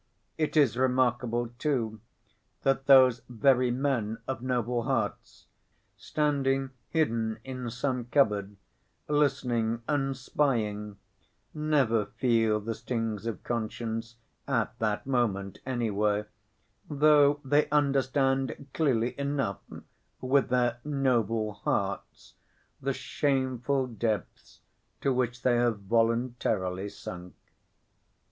It is remarkable, too, that those very men of noble hearts, standing hidden in some cupboard, listening and spying, never feel the stings of conscience at that moment, anyway, though they understand clearly enough with their "noble hearts" the shameful depths to which they have voluntarily sunk.